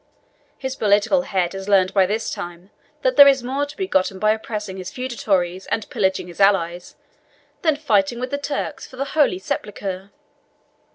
His politic head has learned by this time that there is more to be gotten by oppressing his feudatories, and pillaging his allies, than fighting with the Turks for the Holy Sepulchre."